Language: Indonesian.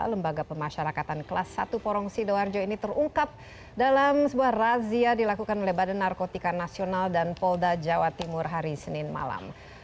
lembaga pemasyarakatan kelas satu porong sidoarjo ini terungkap dalam sebuah razia dilakukan oleh badan narkotika nasional dan polda jawa timur hari senin malam